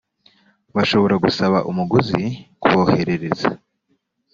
bashobora gusaba umuguzi kuboherereza